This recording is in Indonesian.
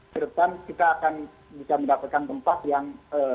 di depan kita akan bisa mendapatkan tempat yang